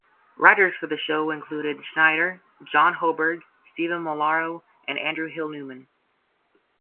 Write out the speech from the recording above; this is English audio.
Writers for the show included Schneider, John Hoberg, Steven Molaro, and Andrew Hill Newman.